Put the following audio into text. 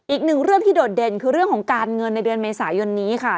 อีกหนึ่งเรื่องที่โดดเด่นคือเรื่องของการเงินในเดือนเมษายนนี้ค่ะ